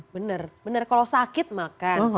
bener bener kalau sakit makan